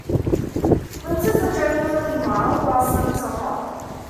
Winters are generally mild while summers are hot.